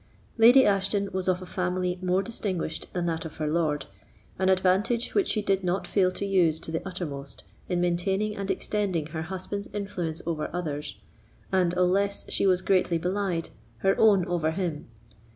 Lady Ashton was of a family more distinguished than that of her lord, an advantage which she did not fail to use to the uttermost, in maintaining and extending her husband's influence over others, and, unless she was greatly belied, her own over him.